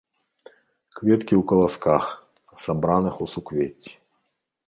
Кветкі ў каласках, сабраных у суквецці.